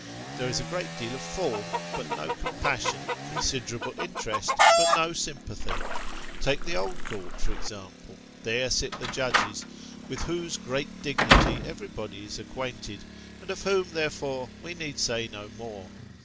There is a great deal of form, but no compassion ; considerable interest, but no sympathy. Take the Old Court for example. There sit the Judges, with whose great dignity everybody is acquainted, and of whom therefore we need say no more.